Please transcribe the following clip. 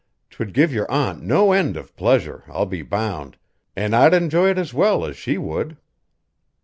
'Twould give your aunt no end of pleasure, I'll be bound, an' I'd enjoy it as well as she would."